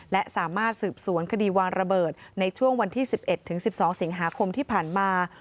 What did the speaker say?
และสามารถสืบสวนคดีวางระเบิดในช่วงวันที่สิบเอ็ดถึงสิบสองสิงหาคมที่ผ่านมา